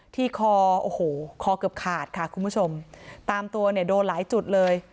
ที่คอโอ้โหคอเกือบขาดค่ะคุณผู้ชมตามตัวเนี่ยโดนหลายจุดเลย